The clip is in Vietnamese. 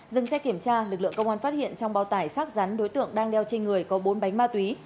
dừng xe kiểm tra lực lượng công an phát hiện trong bao tải xác rắn đối tượng đang đeo trên người có bốn bánh ma túy